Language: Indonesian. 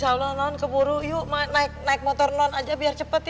insya allah non keburu yuk naik motor non aja biar cepet ya